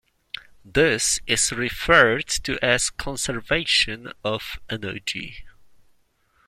This is referred to as conservation of energy.